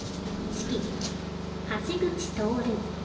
指揮橋口通。